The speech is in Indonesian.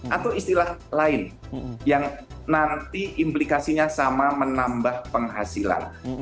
atau istilah lain yang nanti implikasinya sama menambah penghasilan